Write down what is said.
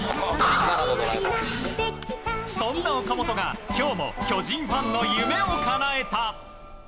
そんな岡本が今日も巨人ファンの夢をかなえた。